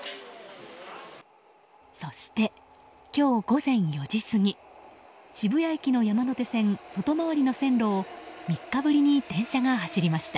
そして、今日午前４時過ぎ渋谷駅の山手線外回りの線路を３日ぶりに電車が走りました。